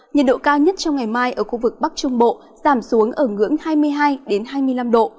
nhiệt độ cao nhất trong ngày mai ở khu vực bắc trung bộ giảm xuống ở ngưỡng hai mươi hai hai mươi năm độ